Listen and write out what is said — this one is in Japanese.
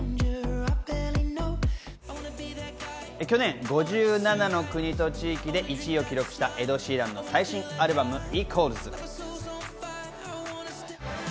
去年５７の国と地域で１位を記録したエド・シーランの最新アルバム『＝』。